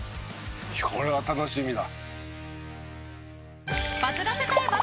いやこれは楽しみだ。